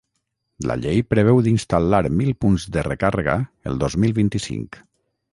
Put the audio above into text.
La llei preveu d’instal·lar mil punts de recàrrega el dos mil vint-i-cinc.